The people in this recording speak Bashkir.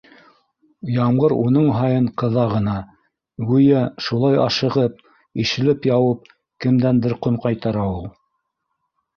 Ямғыр уның һайын ҡыҙа ғына, гүйә, шулай ашығып, ишелеп яуып кемдәндер ҡон ҡайтара ул